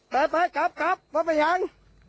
ไปไปกลับกลับมันไปหยัง